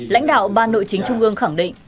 lãnh đạo ban nội chính trung ương khẳng định